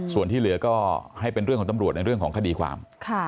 ส่วนที่เหลือก็ให้เป็นเรื่องของตำรวจในเรื่องของคดีความ